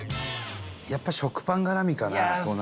やっぱり食パンがらみかな？